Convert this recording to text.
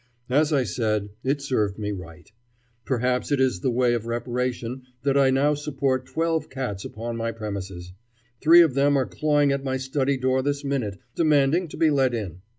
As I said, it served me right. Perhaps it is in the way of reparation that I now support twelve cats upon my premises. Three of them are clawing at my study door this minute demanding to be let in.